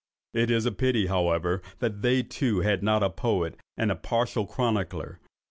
It is a pity, however, that they too, had not a poet and a partial chronicler.